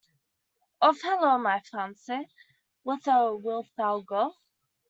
Of Hullo, my fancie, whither wilt thou go?